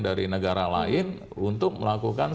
dari negara lain untuk melakukan